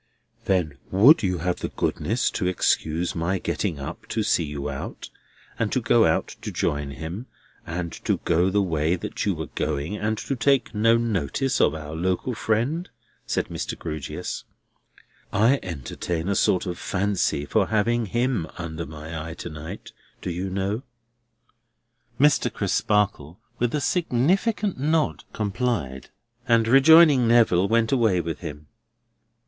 "Then would you have the goodness to excuse my getting up to see you out, and to go out to join him, and to go the way that you were going, and to take no notice of our local friend?" said Mr. Grewgious. "I entertain a sort of fancy for having him under my eye to night, do you know?" Mr. Crisparkle, with a significant nod complied; and rejoining Neville, went away with him.